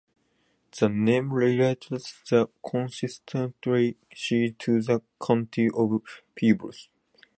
The name relates the constituency to the county of Peebles.